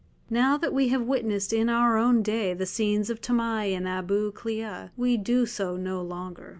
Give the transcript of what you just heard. Now that we have witnessed in our own day the scenes of Tamaai and Abu Klea we do so no longer.